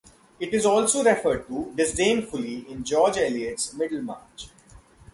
It is also referred to, disdainfully, in George Eliot's Middlemarch.